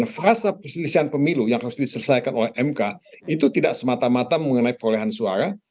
frasa perselisihan pemilu yang harus diselesaikan oleh mk itu tidak semata mata mengenai perolehan suara